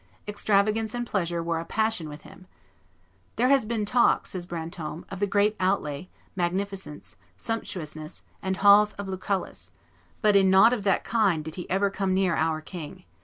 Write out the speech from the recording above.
Extravagance and pleasure were a passion with him. "There has been talk," says Brantome, "of the great outlay, magnificence, sumptuousness and halls of Lucullus; but in nought of that kind did he ever come near our king